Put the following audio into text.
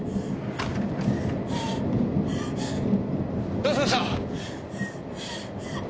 どうしました！？